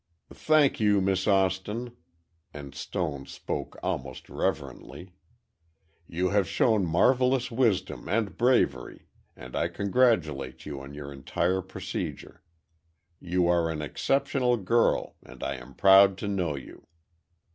"Thank you, Miss Austin," and Stone spoke almost reverently. "You have shown marvelous wisdom and bravery and I congratulate you on your entire procedure. You are an exceptional girl, and I am proud to know you."